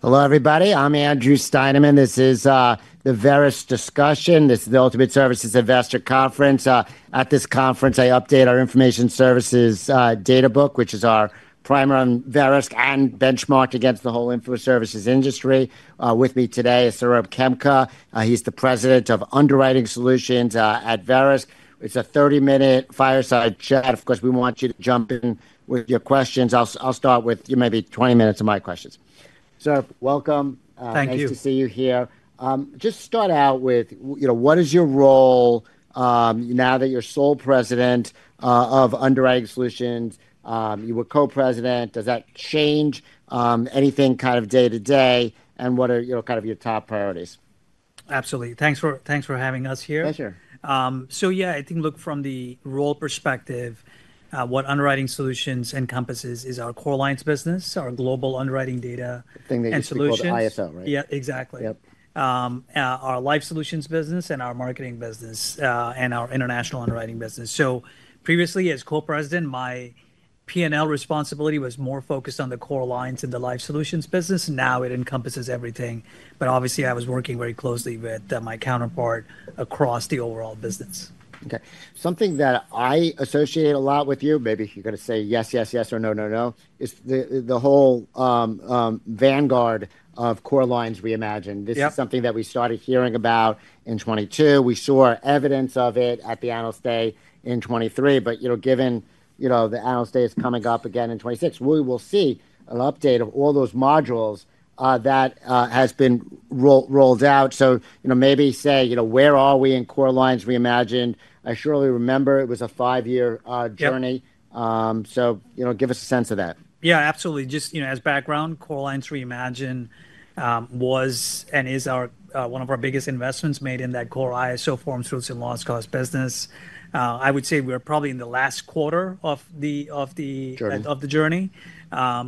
Hello, everybody. I'm Andrew Steinerman. This is the Verisk discussion. This is the Ultimate Services Investor Conference. At this conference, I update our Information Services Databook, which is our primer on Verisk and benchmarked against the whole infoservices industry. With me today is Saurabh Khemka. He's the President of Underwriting Solutions at Verisk. It's a 30-minute fireside chat. Of course, we want you to jump in with your questions. I'll start with maybe 20 minutes of my questions. Saurabh, welcome. Thank you. Nice to see you here. Just start out with, what is your role now that you're sole President of Underwriting Solutions? You were Co-President. Does that change anything kind of day to day? What are kind of your top priorities? Absolutely. Thanks for having us here. Pleasure. Yeah, I think, look, from the role perspective, what Underwriting Solutions encompasses is our core lines business, our global underwriting data. Thing that you do for IFL, right? Yeah, exactly. Our life solutions business and our marketing business and our international underwriting business. Previously, as co-president, my P&L responsibility was more focused on the core lines and the life solutions business. Now it encompasses everything. Obviously, I was working very closely with my counterpart across the overall business. Okay. Something that I associate a lot with you, maybe you're going to say yes, yes, yes, or no, no, no, is the whole vanguard of Core Lines Reimagined. This is something that we started hearing about in 2022. We saw evidence of it at the Analyst Day in 2023. Given the Analyst Day is coming up again in 2026, we will see an update of all those modules that have been rolled out. Maybe say, where are we in Core Lines Reimagined? I surely remember it was a five-year journey. Give us a sense of that. Yeah, absolutely. Just as background, Core Lines Reimagined was and is one of our biggest investments made in that core ISO forms through some loss cost business. I would say we were probably in the last quarter of the journey.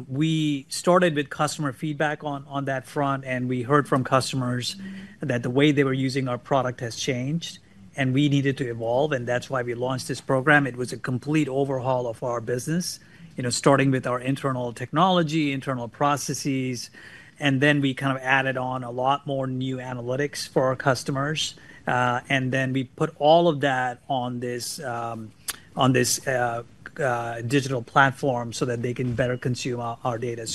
We started with customer feedback on that front, and we heard from customers that the way they were using our product has changed, and we needed to evolve. That is why we launched this program. It was a complete overhaul of our business, starting with our internal technology, internal processes. We kind of added on a lot more new analytics for our customers. We put all of that on this digital platform so that they can better consume our data.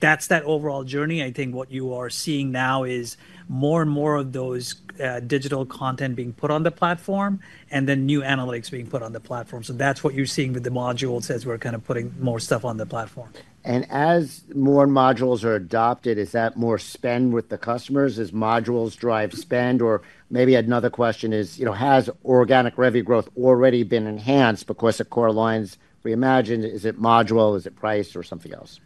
That is that overall journey. I think what you are seeing now is more and more of those digital content being put on the platform and then new analytics being put on the platform. That is what you are seeing with the modules as we are kind of putting more stuff on the platform. As more modules are adopted, is that more spend with the customers? Do modules drive spend? Maybe another question is, has organic revenue growth already been enhanced because of Core Lines Reimagined? Is it module? Is it price or something else?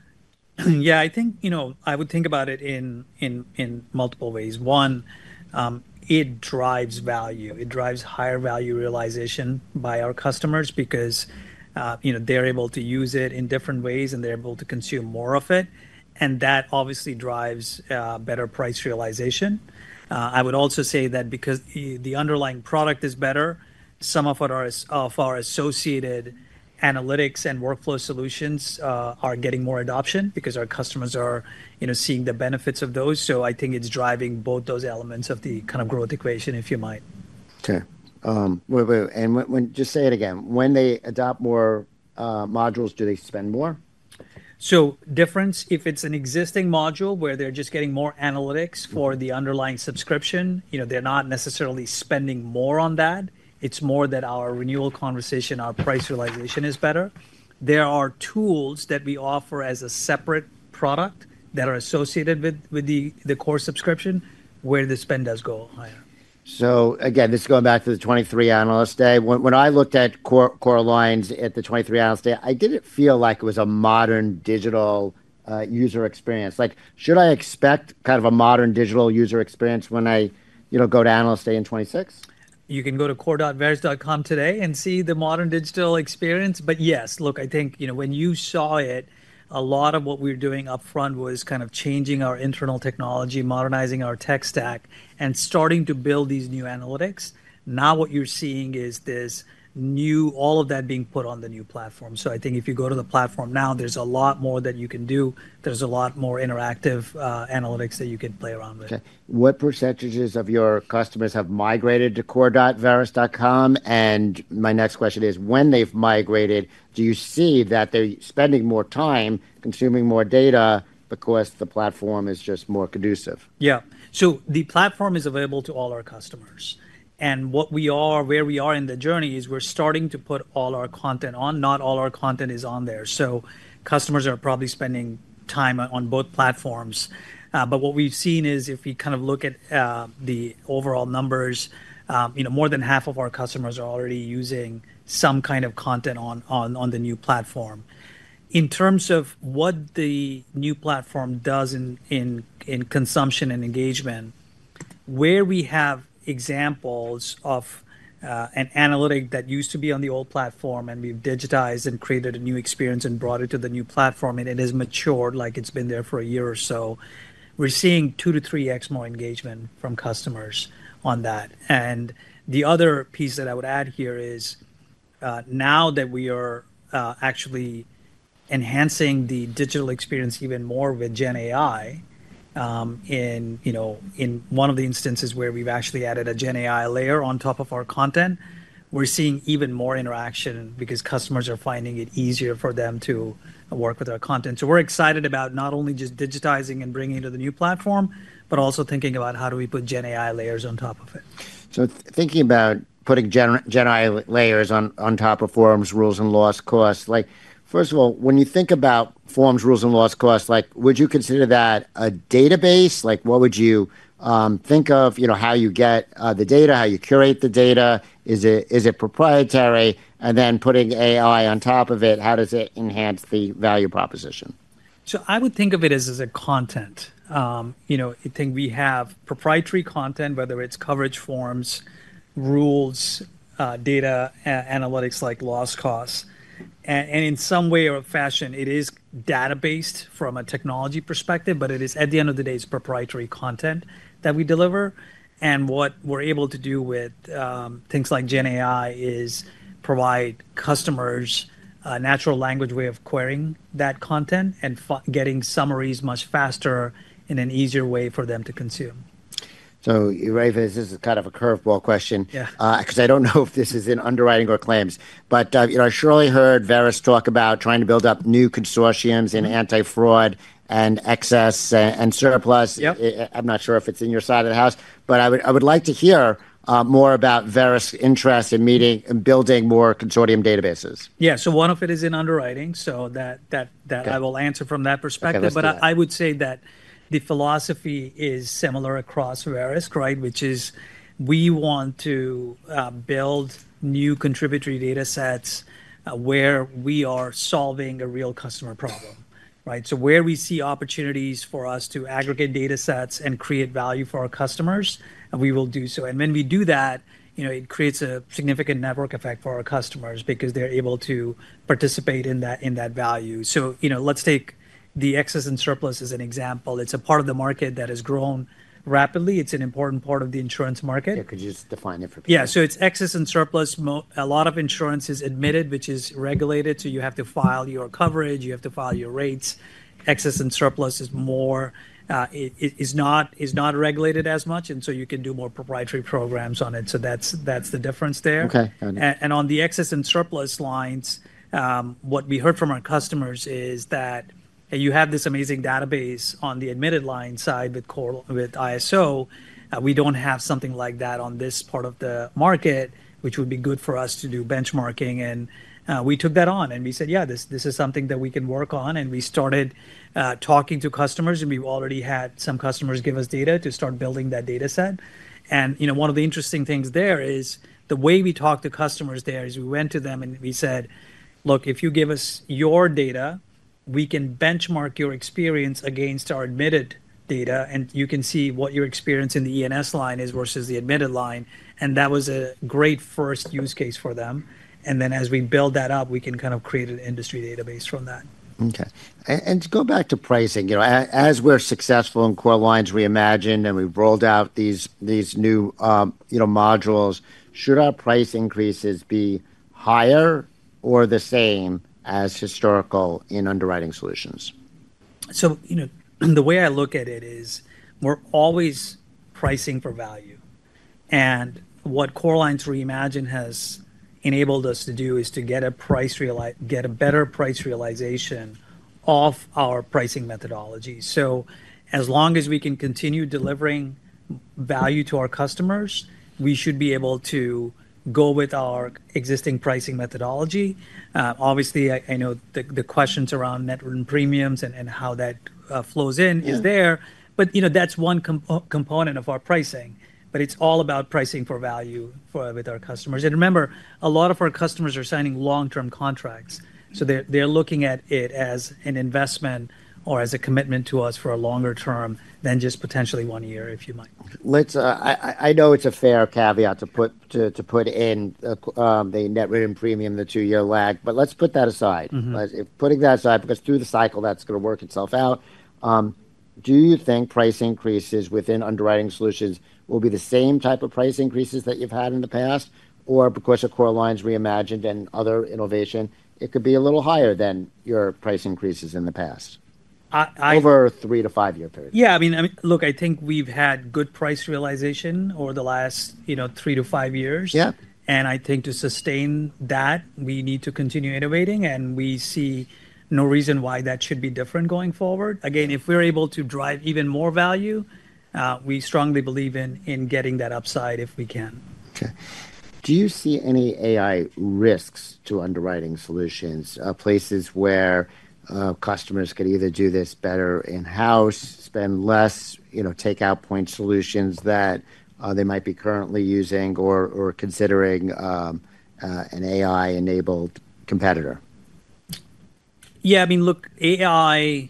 Yeah, I think I would think about it in multiple ways. One, it drives value. It drives higher value realization by our customers because they're able to use it in different ways, and they're able to consume more of it. That obviously drives better price realization. I would also say that because the underlying product is better, some of our associated analytics and workflow solutions are getting more adoption because our customers are seeing the benefits of those. I think it's driving both those elements of the kind of growth equation, if you might. Okay. Just say it again. When they adopt more modules, do they spend more? If it's an existing module where they're just getting more analytics for the underlying subscription, they're not necessarily spending more on that. It's more that our renewal conversation, our price realization is better. There are tools that we offer as a separate product that are associated with the core subscription where the spend does go higher. So again, this is going back to the 2023 Analyst Day. When I looked at core lines at the 2023 Analyst Day, I didn't feel like it was a modern digital user experience. Should I expect kind of a modern digital user experience when I go to Analyst Day in 2026? You can go to core.verisk.com today and see the modern digital experience. Yes, look, I think when you saw it, a lot of what we were doing upfront was kind of changing our internal technology, modernizing our tech stack, and starting to build these new analytics. Now what you're seeing is this new, all of that being put on the new platform. I think if you go to the platform now, there's a lot more that you can do. There's a lot more interactive analytics that you can play around with. Okay. What % of your customers have migrated to core.verisk.com? My next question is, when they've migrated, do you see that they're spending more time, consuming more data because the platform is just more conducive? Yeah. The platform is available to all our customers. Where we are in the journey is we're starting to put all our content on. Not all our content is on there. Customers are probably spending time on both platforms. What we've seen is if we kind of look at the overall numbers, more than half of our customers are already using some kind of content on the new platform. In terms of what the new platform does in consumption and engagement, where we have examples of an analytic that used to be on the old platform and we've digitized and created a new experience and brought it to the new platform and it has matured, like it's been there for a year or so, we're seeing two to three X more engagement from customers on that. The other piece that I would add here is now that we are actually enhancing the digital experience even more with Gen AI, in one of the instances where we've actually added a Gen AI layer on top of our content, we're seeing even more interaction because customers are finding it easier for them to work with our content. We are excited about not only just digitizing and bringing it to the new platform, but also thinking about how do we put Gen AI layers on top of it. Thinking about putting Gen AI layers on top of forms, rules, and loss costs, first of all, when you think about forms, rules, and loss costs, would you consider that a database? What would you think of how you get the data, how you curate the data? Is it proprietary? And then putting AI on top of it, how does it enhance the value proposition? I would think of it as content. I think we have proprietary content, whether it's coverage forms, rules, data analytics like loss costs. In some way or fashion, it is databased from a technology perspective, but at the end of the day, it's proprietary content that we deliver. What we're able to do with things like Gen AI is provide customers a natural language way of querying that content and getting summaries much faster in an easier way for them to consume. You're right, this is kind of a curveball question because I don't know if this is in underwriting or claims. I surely heard Verisk talk about trying to build up new consortiums in anti-fraud and excess and surplus. I'm not sure if it's in your side of the house, but I would like to hear more about Verisk's interest in building more consortium databases. Yeah. One of it is in underwriting. I will answer from that perspective. I would say that the philosophy is similar across Verisk, which is we want to build new contributory data sets where we are solving a real customer problem. Where we see opportunities for us to aggregate data sets and create value for our customers, we will do so. When we do that, it creates a significant network effect for our customers because they are able to participate in that value. Let's take the excess and surplus as an example. It is a part of the market that has grown rapidly. It is an important part of the insurance market. Yeah, could you just define it for people? Yeah. So it's excess and surplus. A lot of insurance is admitted, which is regulated. You have to file your coverage. You have to file your rates. Excess and surplus is not regulated as much. You can do more proprietary programs on it. That's the difference there. On the excess and surplus lines, what we heard from our customers is that you have this amazing database on the admitted line side with ISO. We don't have something like that on this part of the market, which would be good for us to do benchmarking. We took that on. We said, yeah, this is something that we can work on. We started talking to customers. We've already had some customers give us data to start building that data set. One of the interesting things there is the way we talk to customers there is we went to them and we said, look, if you give us your data, we can benchmark your experience against our admitted data. You can see what your experience in the E&S line is versus the admitted line. That was a great first use case for them. As we build that up, we can kind of create an industry database from that. Okay. To go back to pricing, as we're successful in Core Lines Reimagined and we've rolled out these new modules, should our price increases be higher or the same as historical in Underwriting Solutions? The way I look at it is we're always pricing for value. What Core Lines Reimagined has enabled us to do is to get a better price realization off our pricing methodology. As long as we can continue delivering value to our customers, we should be able to go with our existing pricing methodology. Obviously, I know the questions around net premiums and how that flows in is there. That's one component of our pricing. It's all about pricing for value with our customers. Remember, a lot of our customers are signing long-term contracts. They're looking at it as an investment or as a commitment to us for a longer term than just potentially one year, if you might. I know it's a fair caveat to put in the net premium, the two-year lag. But let's put that aside. Putting that aside because through the cycle, that's going to work itself out. Do you think price increases within underwriting solutions will be the same type of price increases that you've had in the past? Or because of Core Lines Reimagined and other innovation, it could be a little higher than your price increases in the past over a three to five-year period? Yeah. I mean, look, I think we've had good price realization over the last three to five years. I think to sustain that, we need to continue innovating. We see no reason why that should be different going forward. Again, if we're able to drive even more value, we strongly believe in getting that upside if we can. Okay. Do you see any AI risks to underwriting solutions, places where customers could either do this better in-house, spend less, take out point solutions that they might be currently using or considering an AI-enabled competitor? Yeah. I mean, look, AI,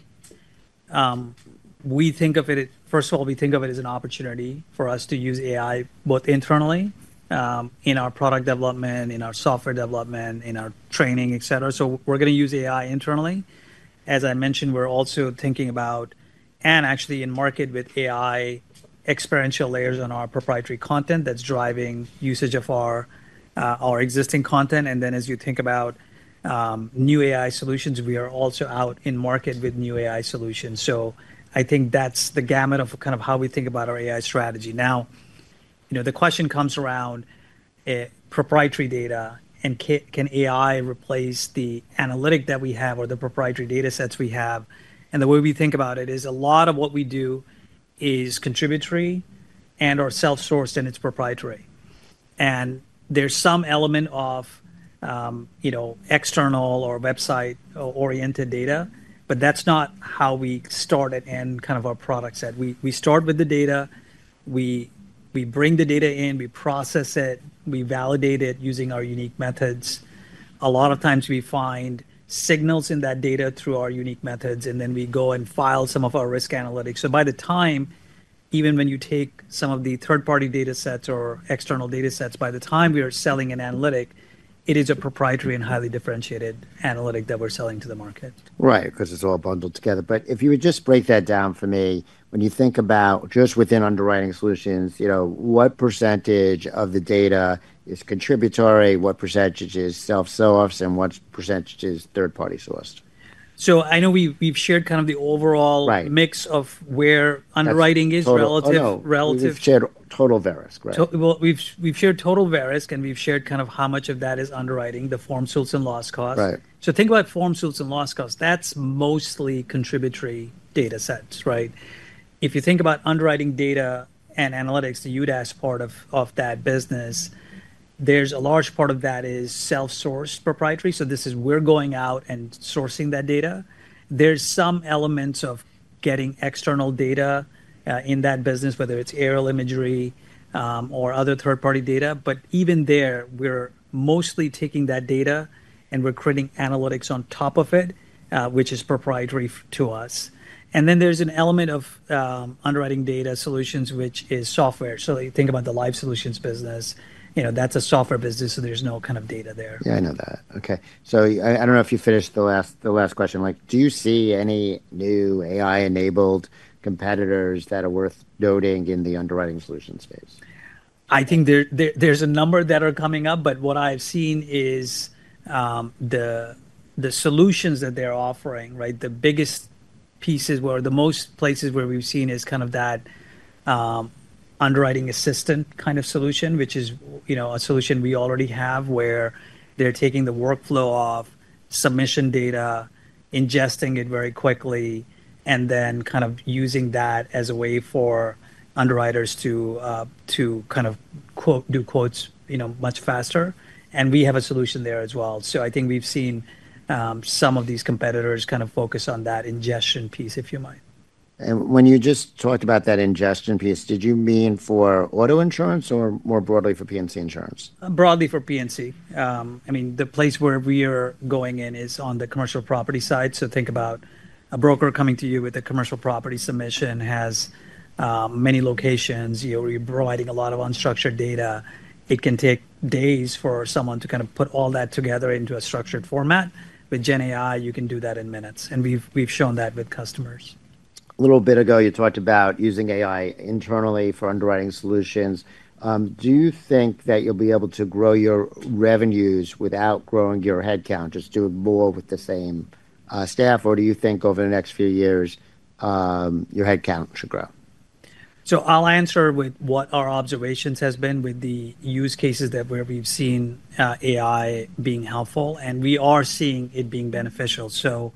we think of it, first of all, we think of it as an opportunity for us to use AI both internally in our product development, in our software development, in our training, et cetera. We are going to use AI internally. As I mentioned, we are also thinking about and actually in market with AI, experiential layers on our proprietary content that is driving usage of our existing content. As you think about new AI solutions, we are also out in market with new AI solutions. I think that is the gamut of kind of how we think about our AI strategy. Now, the question comes around proprietary data and can AI replace the analytic that we have or the proprietary data sets we have? The way we think about it is a lot of what we do is contributory and/or self-sourced and it's proprietary. There's some element of external or website-oriented data, but that's not how we started and kind of our product set. We start with the data. We bring the data in. We process it. We validate it using our unique methods. A lot of times we find signals in that data through our unique methods, and then we go and file some of our risk analytics. By the time, even when you take some of the third-party data sets or external data sets, by the time we are selling an analytic, it is a proprietary and highly differentiated analytic that we're selling to the market. Right, because it's all bundled together. If you would just break that down for me, when you think about just within underwriting solutions, what percentage of the data is contributory, what percentage is self-sourced, and what percentage is third-party sourced? I know we've shared kind of the overall mix of where underwriting is relative. We've shared total Verisk, right? We've shared total Verisk, and we've shared kind of how much of that is underwriting, the form, suits, and loss costs. Think about form, suits, and loss costs. That's mostly contributory data sets, right? If you think about underwriting data and analytics, the UDAS part of that business, a large part of that is self-sourced proprietary. This is we're going out and sourcing that data. There's some elements of getting external data in that business, whether it's aerial imagery or other third-party data. Even there, we're mostly taking that data and we're creating analytics on top of it, which is proprietary to us. Then there's an element of underwriting data solutions, which is software. You think about the live solutions business. That's a software business, so there's no kind of data there. Yeah, I know that. Okay. I don't know if you finished the last question. Do you see any new AI-enabled competitors that are worth noting in the underwriting solution space? I think there's a number that are coming up, but what I've seen is the solutions that they're offering, the biggest pieces where the most places where we've seen is kind of that underwriting assistant kind of solution, which is a solution we already have, where they're taking the workflow off, submission data, ingesting it very quickly, and then kind of using that as a way for underwriters to kind of do quotes much faster. We have a solution there as well. I think we've seen some of these competitors kind of focus on that ingestion piece, if you might. When you just talked about that ingestion piece, did you mean for auto insurance or more broadly for P&C insurance? Broadly for P&C. I mean, the place where we are going in is on the commercial property side. Think about a broker coming to you with a commercial property submission, has many locations where you're providing a lot of unstructured data. It can take days for someone to kind of put all that together into a structured format. With Gen AI, you can do that in minutes. We have shown that with customers. A little bit ago, you talked about using AI internally for underwriting solutions. Do you think that you'll be able to grow your revenues without growing your headcount, just doing more with the same staff? Or do you think over the next few years your headcount should grow? I'll answer with what our observations have been with the use cases that where we've seen AI being helpful. We are seeing it being beneficial. To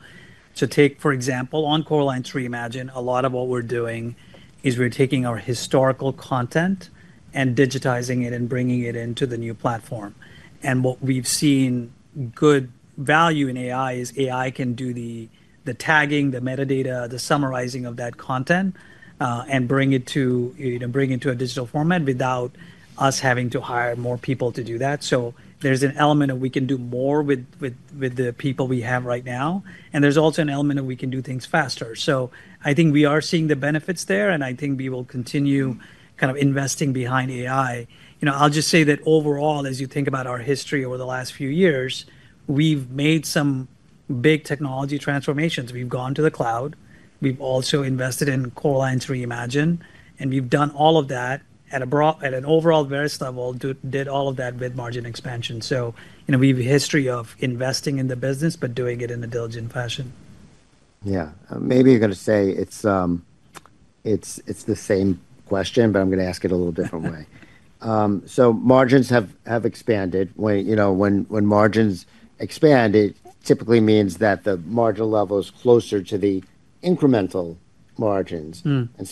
take, for example, on Core Lines Reimagined, a lot of what we're doing is we're taking our historical content and digitizing it and bringing it into the new platform. What we've seen good value in AI is AI can do the tagging, the metadata, the summarizing of that content and bring it to a digital format without us having to hire more people to do that. There's an element of we can do more with the people we have right now. There's also an element of we can do things faster. I think we are seeing the benefits there. I think we will continue kind of investing behind AI. I'll just say that overall, as you think about our history over the last few years, we've made some big technology transformations. We've gone to the cloud. We've also invested in Core Lines Reimagined. We did all of that at an overall Verisk level, did all of that with margin expansion. We have a history of investing in the business, but doing it in a diligent fashion. Yeah. Maybe you're going to say it's the same question, but I'm going to ask it a little different way. Margins have expanded. When margins expand, it typically means that the margin level is closer to the incremental margins. One of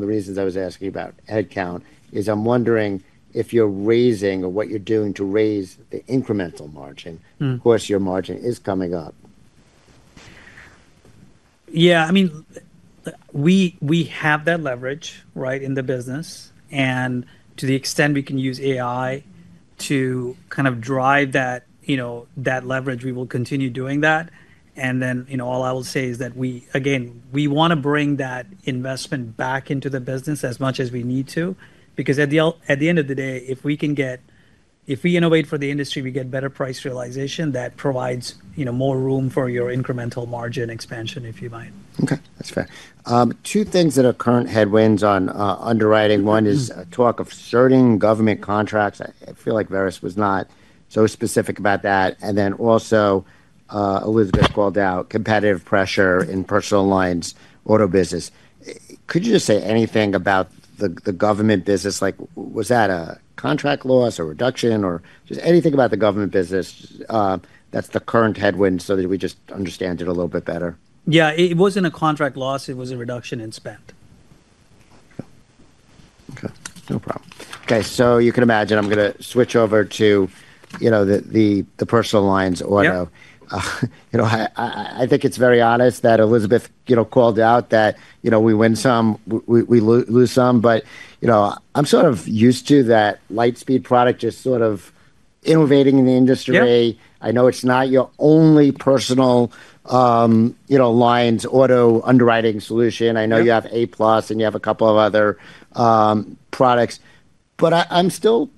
the reasons I was asking about headcount is I'm wondering if you're raising or what you're doing to raise the incremental margin. Of course, your margin is coming up. Yeah. I mean, we have that leverage in the business. To the extent we can use AI to kind of drive that leverage, we will continue doing that. All I will say is that, again, we want to bring that investment back into the business as much as we need to. Because at the end of the day, if we can get, if we innovate for the industry, we get better price realization, that provides more room for your incremental margin expansion, if you might. Okay. That's fair. Two things that are current headwinds on underwriting. One is talk of certain government contracts. I feel like Verisk was not so specific about that. Also, Elizabeth called out competitive pressure in personal lines auto business. Could you just say anything about the government business? Was that a contract loss or reduction or just anything about the government business that's the current headwind so that we just understand it a little bit better? Yeah. It wasn't a contract loss. It was a reduction in spend. Okay. No problem. Okay. So you can imagine I'm going to switch over to the personal lines auto. I think it's very honest that Elizabeth called out that we win some, we lose some. But I'm sort of used to that LightSpeed product just sort of innovating in the industry. I know it's not your only personal lines auto underwriting solution. I know you have A-PLUS and you have a couple of other products. But I'm still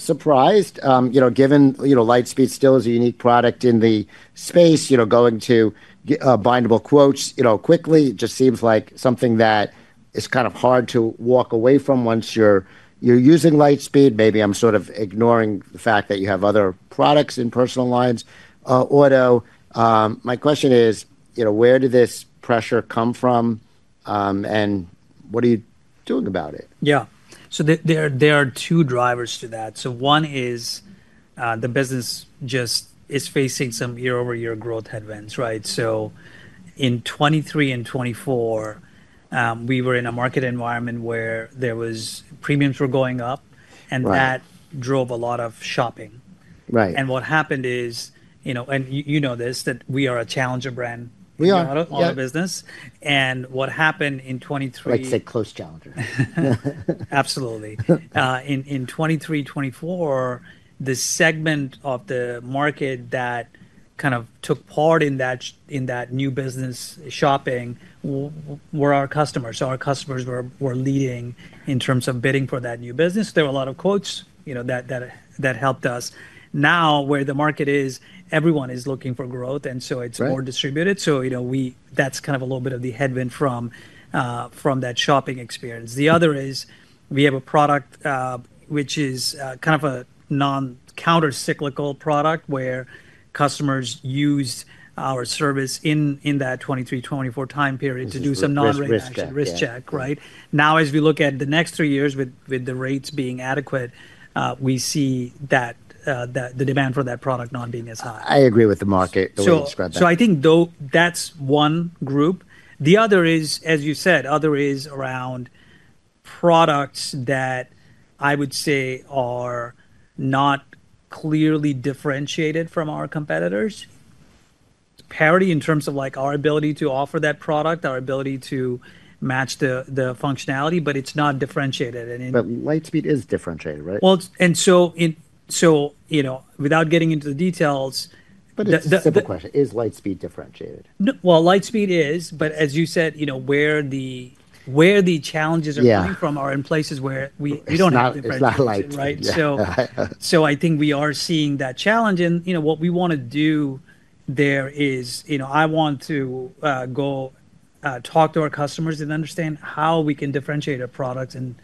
surprised given LightSpeed still is a unique product in the space, going to bindable quotes quickly. It just seems like something that is kind of hard to walk away from once you're using LightSpeed. Maybe I'm sort of ignoring the fact that you have other products in personal lines, auto. My question is, where did this pressure come from? And what are you doing about it? Yeah. There are two drivers to that. One is the business just is facing some year-over-year growth headwinds, right? In 2023 and 2024, we were in a market environment where premiums were going up. That drove a lot of shopping. What happened is, and you know this, we are a Challenger brand in auto business. What happened in 2023. Like to say close challenger. Absolutely. In 2023, 2024, the segment of the market that kind of took part in that new business shopping were our customers. So our customers were leading in terms of bidding for that new business. There were a lot of quotes that helped us. Now where the market is, everyone is looking for growth. It is more distributed. That is kind of a little bit of the headwind from that shopping experience. The other is we have a product which is kind of a non-countercyclical product where customers used our service in that 2023, 2024 time period to do some non-return risk check, right? Now, as we look at the next three years with the rates being adequate, we see that the demand for that product not being as high. I agree with the market the way you described that. I think that's one group. The other is, as you said, other is around products that I would say are not clearly differentiated from our competitors. Parity in terms of our ability to offer that product, our ability to match the functionality, but it's not differentiated. LightSpeed is differentiated, right? And so without getting into the details. It's a simple question. Is LightSpeed differentiated? LightSpeed is. As you said, where the challenges are coming from are in places where we don't have differentiation. It's not LightSpeed, right? I think we are seeing that challenge. What we want to do there is I want to go talk to our customers and understand how we can differentiate our products and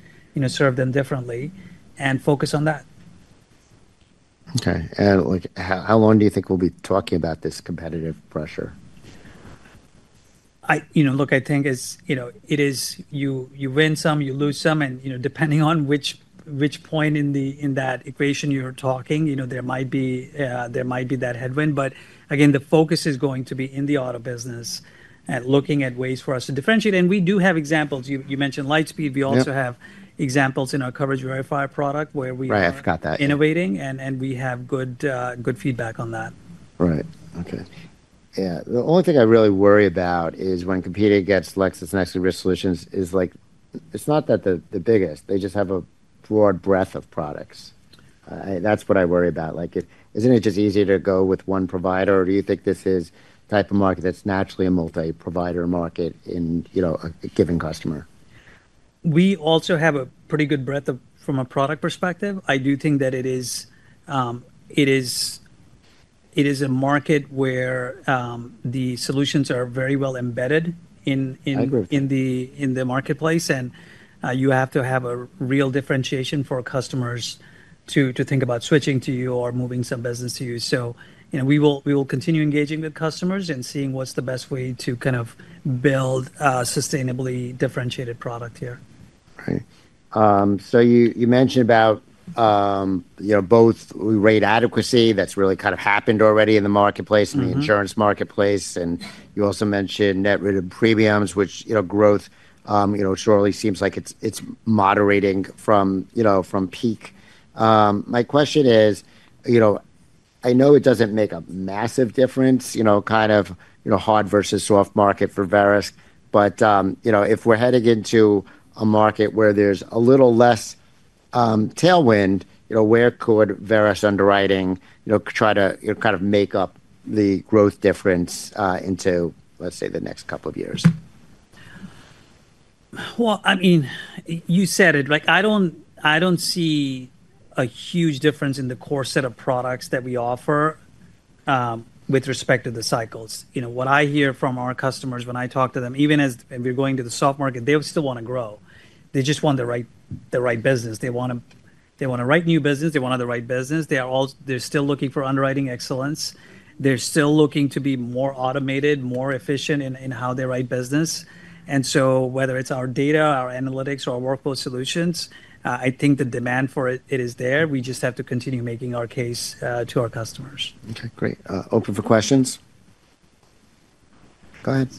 serve them differently and focus on that. Okay. How long do you think we'll be talking about this competitive pressure? Look, I think it is you win some, you lose some. Depending on which point in that equation you're talking, there might be that headwind. Again, the focus is going to be in the auto business and looking at ways for us to differentiate. We do have examples. You mentioned LightSpeed. We also have examples in our Coverage Verifier product where we're innovating. We have good feedback on that. Right. Okay. Yeah. The only thing I really worry about is when a competitor gets LexisNexis Risk Solutions is it's not that they're the biggest. They just have a broad breadth of products. That's what I worry about. Isn't it just easier to go with one provider? Or do you think this is the type of market that's naturally a multi-provider market in a given customer? We also have a pretty good breadth from a product perspective. I do think that it is a market where the solutions are very well embedded in the marketplace. You have to have a real differentiation for customers to think about switching to you or moving some business to you. We will continue engaging with customers and seeing what's the best way to kind of build a sustainably differentiated product here. Right. You mentioned both rate adequacy. That has really kind of happened already in the marketplace and the insurance marketplace. You also mentioned net premiums, which growth surely seems like it is moderating from peak. My question is, I know it does not make a massive difference, kind of hard versus soft market for Verisk. If we are heading into a market where there is a little less tailwind, where could Verisk underwriting try to kind of make up the growth difference into, let's say, the next couple of years? I mean, you said it. I do not see a huge difference in the core set of products that we offer with respect to the cycles. What I hear from our customers when I talk to them, even as we are going to the soft market, they still want to grow. They just want the right business. They want the right new business. They want the right business. They are still looking for underwriting excellence. They are still looking to be more automated, more efficient in how they write business. Whether it is our data, our analytics, or our workflow solutions, I think the demand for it is there. We just have to continue making our case to our customers. Okay. Great. Open for questions. Go ahead.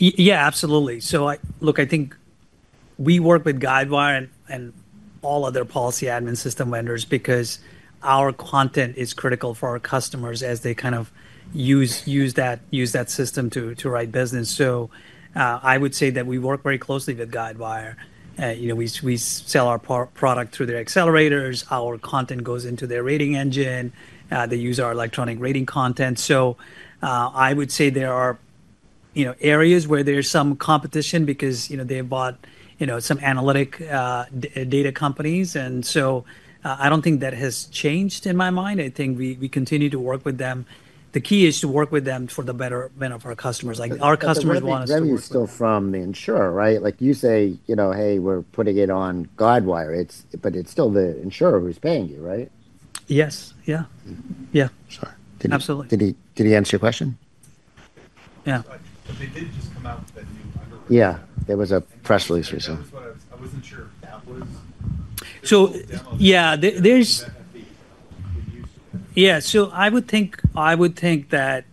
Yeah, absolutely. Look, I think we work with Guidewire and all other policy admin system vendors because our content is critical for our customers as they kind of use that system to write business. I would say that we work very closely with Guidewire. We sell our product through their accelerators. Our content goes into their rating engine. They use our electronic rating content. I would say there are areas where there is some competition because they bought some analytic data companies. I do not think that has changed in my mind. I think we continue to work with them. The key is to work with them for the betterment of our customers. Our customers want us to do that. You're still from the insurer, right? You say, "Hey, we're putting it on Guidewire." It is still the insurer who's paying you, right? Yes. Yeah. Sorry. Did he answer your question? Yeah. They did just come out with a new underwriting. Yeah. There was a press release recently. I wasn't sure if that was. Yeah. Yeah. I would think that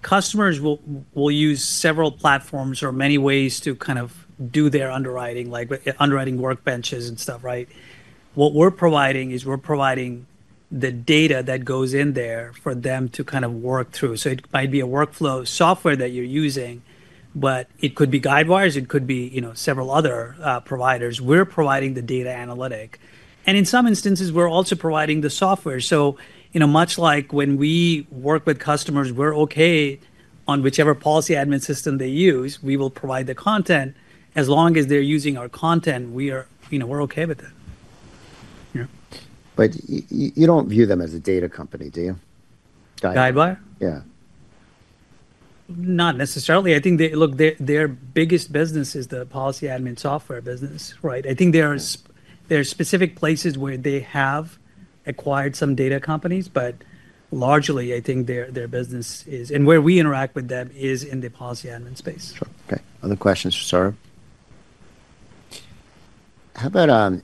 customers will use several platforms or many ways to kind of do their underwriting, like underwriting workbenches and stuff, right? What we're providing is we're providing the data that goes in there for them to kind of work through. It might be a workflow software that you're using, but it could be Guidewire. It could be several other providers. We're providing the data analytic. In some instances, we're also providing the software. Much like when we work with customers, we're okay on whichever policy admin system they use. We will provide the content. As long as they're using our content, we're okay with it. You do not view them as a data company, do you? Guidewire? Yeah. Not necessarily. I think, look, their biggest business is the policy admin software business, right? I think there are specific places where they have acquired some data companies. But largely, I think their business is, and where we interact with them is in the policy admin space. Sure. Okay. Other questions for Saurabh? How about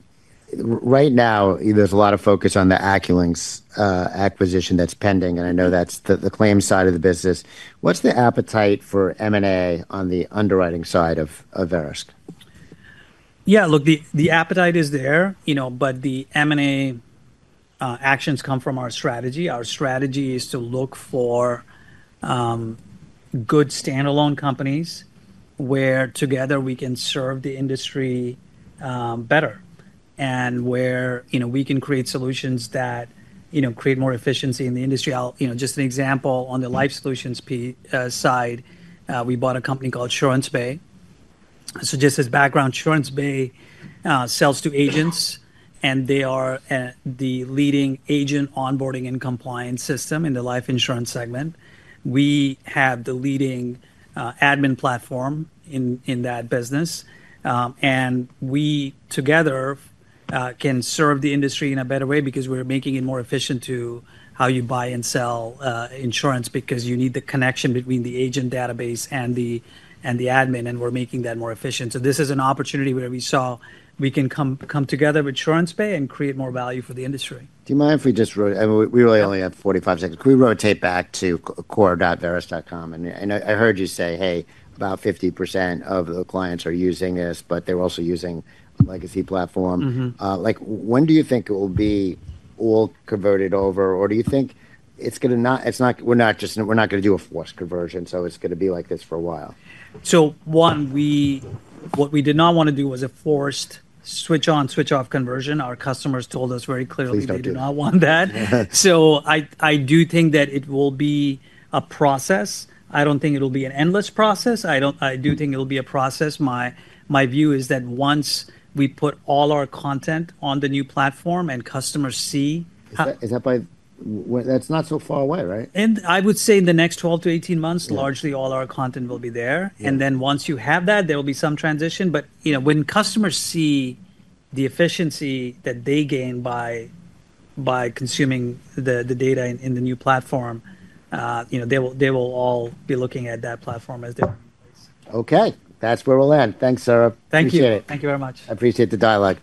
right now, there's a lot of focus on the AccuLynx acquisition that's pending. And I know that's the claim side of the business. What's the appetite for M&A on the underwriting side of Verisk? Yeah. Look, the appetite is there. The M&A actions come from our strategy. Our strategy is to look for good standalone companies where together we can serve the industry better and where we can create solutions that create more efficiency in the industry. Just an example on the life solutions side, we bought a company called Surancebay. Just as background, Surancebay sells to agents. They are the leading agent onboarding and compliance system in the life insurance segment. We have the leading admin platform in that business. We together can serve the industry in a better way because we're making it more efficient to how you buy and sell insurance because you need the connection between the agent database and the admin. We're making that more efficient. This is an opportunity where we saw we can come together with Surancebay and create more value for the industry. Do you mind if we just, I mean, we really only have 45 seconds. Can we rotate back to core.verisk.com? And I heard you say, "Hey, about 50% of the clients are using this, but they're also using legacy platform." When do you think it will be all converted over? Or do you think it's going to not, we're not going to do a forced conversion. So it's going to be like this for a while. What we did not want to do was a forced switch-on, switch-off conversion. Our customers told us very clearly they do not want that. I do think that it will be a process. I do not think it will be an endless process. I do think it will be a process. My view is that once we put all our content on the new platform and customers see. Is that by, that's not so far away, right? I would say in the next 12-18 months, largely all our content will be there. Once you have that, there will be some transition. When customers see the efficiency that they gain by consuming the data in the new platform, they will all be looking at that platform as their own place. Okay. That's where we'll end. Thanks, Saurabh. Thank you. Appreciate it. Thank you very much. I appreciate the dialogue.